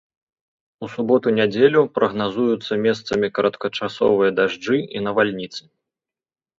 У суботу-нядзелю прагназуюцца месцамі кароткачасовыя дажджы і навальніцы.